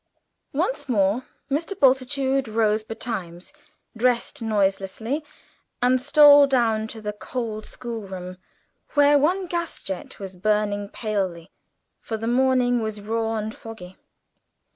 Once more Mr. Bultitude rose betimes, dressed noiselessly, and stole down to the cold schoolroom, where one gas jet was burning palely for the morning was raw and foggy.